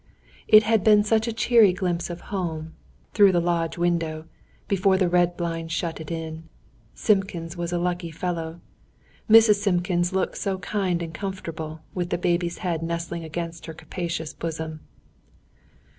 It had been such a cheery glimpse of home, through the lodge window, before the red blind shut it in. Simpkins was a lucky fellow. Mrs. Simpkins looked so kind and comfortable, with the baby's head nestling against her capacious bosom.